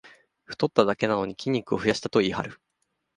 太っただけなのに筋肉を増やしたと言いはる